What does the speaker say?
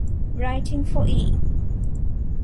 Writing for E!